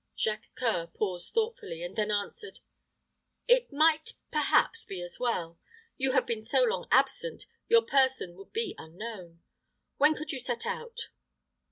Jacques C[oe]ur paused thoughtfully, and then answered, "It might, perhaps, be as well. You have been so long absent, your person would be unknown. When could you set out?"